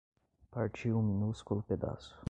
Partiu um minúsculo pedaço